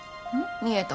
見えた。